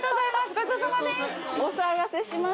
ごちそうさまです。